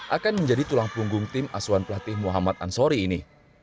akan menjadi tulang punggung tim asuhan pelatih muhammad ansori ini